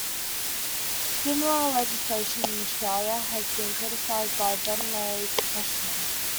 Similar legislation in Australia has been criticized by veterinary professionals.